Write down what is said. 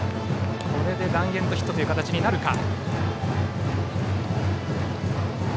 これでランエンドヒットの形になるか。